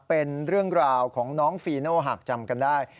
เป็นเรื่องราวของน้องฟีโน่หากจำกันได้